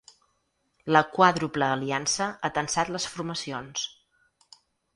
La quàdruple aliança ha tensat les formacions.